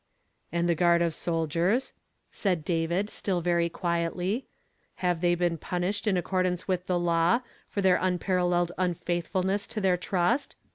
^ "And the guard of soldiers," said David, still very quietly; have they been punished in accord ance with law, for their unparalleled unfaithful ness to their trust?